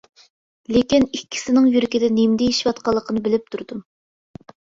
لېكىن ئىككىسىنىڭ يۈرىكىدە نېمە دېيىشىۋاتقانلىقىنى بىلىپ تۇردۇم.